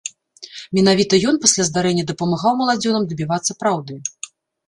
Менавіта ён пасля здарэння дапамагаў маладзёнам дабівацца праўды.